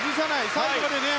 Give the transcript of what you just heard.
最後までね。